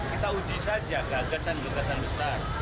kita uji saja gagasan gagasan besar